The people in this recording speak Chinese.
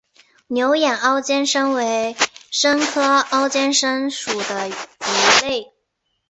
牛眼凹肩鲹为鲹科凹肩鲹属的鱼类。